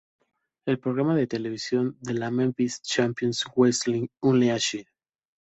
El programa de televisión de la Memphis Championship Wrestling Unleashed!